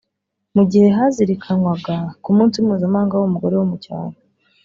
Mu gihe hazirikanwaga ku munsi mpuzamahanga w’umugore wo mu cyaro